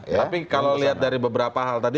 tapi kalau lihat dari beberapa hal tadi